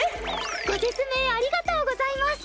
ご説明ありがとうございます。